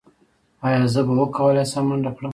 ایا زه به وکولی شم منډه کړم؟